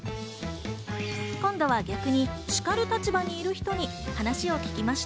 今度は逆に叱る立場にいる人に話を聞きました。